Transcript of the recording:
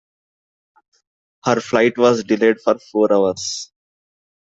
Her flight was delayed for four hours.